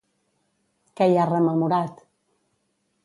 Què hi ha rememorat?